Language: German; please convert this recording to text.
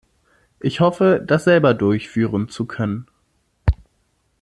Ich hoffe, das selber durchführen zu können.